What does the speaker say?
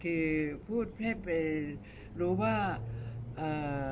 คือพูดให้ไปรู้ว่าเอ่อ